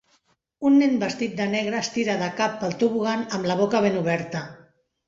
Un nen vestit de negre es tira de cap pel tobogan amb la boca ben oberta.